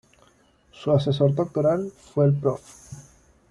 Su asesor doctoral fue el Prof.